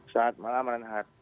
selamat malam reinhardt